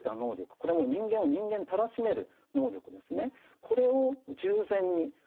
これはもう人間を人間たらしめる能力ですね。